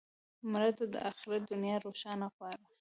مړه ته د آخرت دنیا روښانه غواړو